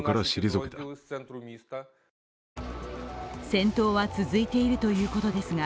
戦闘は続いているということですが、